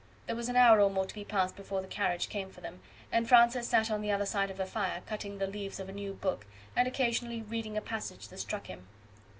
There was an hour or more to be passed before the carriage came for them, and Francis sat on the other side of the fire cutting the leaves of a new book, and occasionally reading a passage that struck him.